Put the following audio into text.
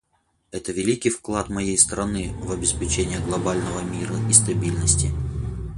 Это великий вклад моей страны в обеспечение глобального мира и стабильности.